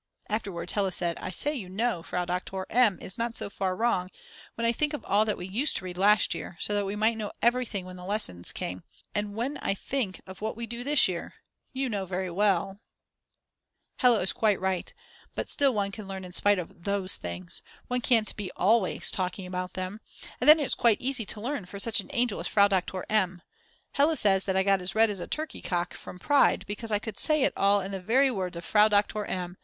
Afterwards Hella said: I say you know, Frau Doktor M. is not so far wrong when I think of all that we used to read last year so that we might know everything when the lesson came, and when I think of what we do this year!!! You know very well . Hella is quite right, but still one can learn in spite of those things, one can't be always talking about them. And then it's quite easy to learn for such an angel as Frau Doktor M. Hella says that I got as red as a turkey cock from pride because I could say it all in the very words of Frau Doktor M.